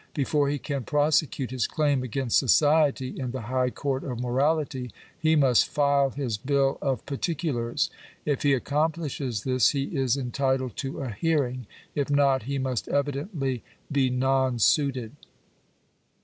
Before he can prosecute his claim against society, in the high court of morality, he must " file his bill of particulars." If he accomplishes this he is en titled to a hearing. If not, he must evidently be non suited.